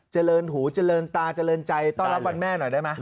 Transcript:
เจริญหูเจริญตาเจริญใจต้อนรับวันแม่หน่อยได้ไหม